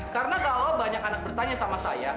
karena kalau banyak anak bertanya sama saya